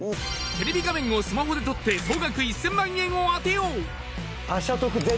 テレビ画面をスマホで撮って総額１０００万円を当てよう。